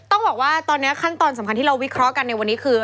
ต้องบอกว่าตอนนี้ขั้นตอนสำคัญที่เราวิเคราะห์กันในวันนี้คือ